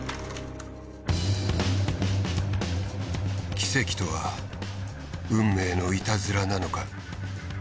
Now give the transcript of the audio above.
奇跡とは運命のいたずらなのか？